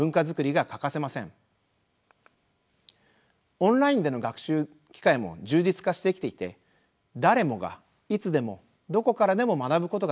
オンラインでの学習機会も充実化してきていて誰もがいつでもどこからでも学ぶことができます。